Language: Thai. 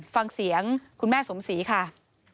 ฟังเสียงคุณแม่สมศรีค่ะ